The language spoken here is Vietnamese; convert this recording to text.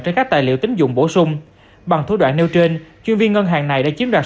trên các tài liệu tính dụng bổ sung bằng thủ đoạn nêu trên chuyên viên ngân hàng này đã chiếm đoạt